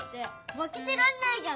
まけてらんないじゃん。